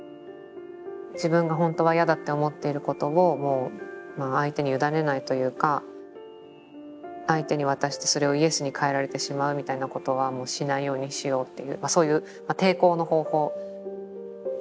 自分が本当は嫌だって思っていることをもう相手に委ねないというか相手に渡してそれをイエスに変えられてしまうみたいなことはもうしないようにしようっていうまあそういう抵抗の方法ですよね。